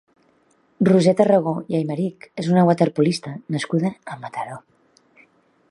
Roser Tarragó i Aymerich és una waterpolista nascuda a Mataró.